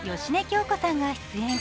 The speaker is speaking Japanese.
京子さんが出演。